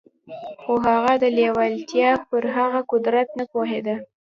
خو هغه د لېوالتیا پر هغه قدرت نه پوهېده.